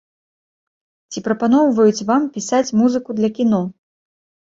Ці прапаноўваюць вам пісаць музыку для кіно.